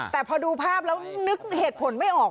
แต่พอดูภาพแล้วนึกเหตุผลไม่ออก